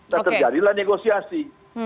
dan terjadilah negosiasi